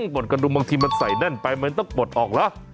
ปลดกระดุมบางทีมันใส่แน่นไปมันต้องปลดออกเหรอ